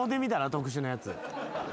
特殊なやつ。